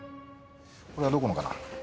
これはどこのかな？